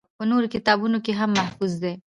پۀ نورو کتابونو کښې هم محفوظ دي